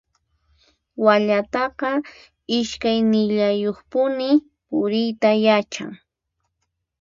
Wallataqa iskaynillayuqpuni puriyta yachan.